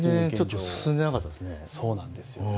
全然進んでなかったですね。